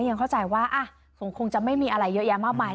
ยังเข้าใจว่าคงจะไม่มีอะไรเยอะแยะมากมาย